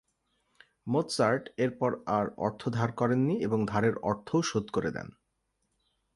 Mozart এরপর আর অর্থ ধার করেননি এবং ধারের অর্থও শোধ করে দেন।